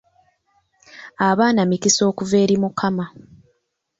Abaana mikisa okuva eri mukama.